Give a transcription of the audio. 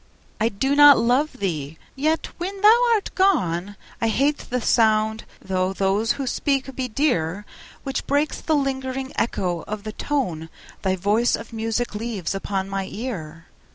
I do not love thee!—yet, when thou art gone, I hate the sound (though those who speak be dear) 10 Which breaks the lingering echo of the tone Thy voice of music leaves upon my ear.